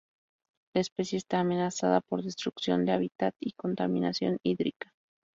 La especie está amenazada por destrucción de hábitat y contaminación hídrica.